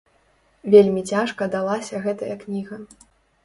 Вельмі цяжка далася гэтая кніга.